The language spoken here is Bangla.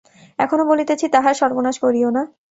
এখনো বলিতেছি, তাহার সর্বনাশ করিয়ো না।